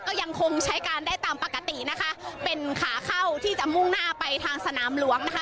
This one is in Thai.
ก็ยังคงใช้การได้ตามปกตินะคะเป็นขาเข้าที่จะมุ่งหน้าไปทางสนามหลวงนะคะ